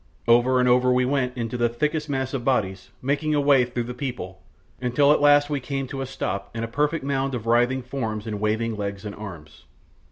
Over and over we went into the thickest mass of bodies, making a way through the people, until at last we came to a stop in a perfect mound of writhing forms and waving legs and arms.